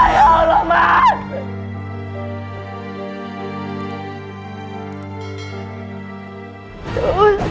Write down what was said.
ya allah mas